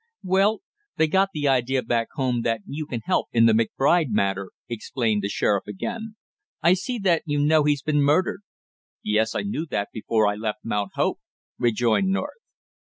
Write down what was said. "They got the idea back home that you can help in the McBride matter," explained the sheriff again. "I see that you know he's been murdered." "Yes, I knew that before I left Mount Hope," rejoined North.